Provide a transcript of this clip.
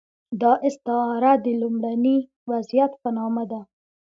دا استعاره د لومړني وضعیت په نامه ده.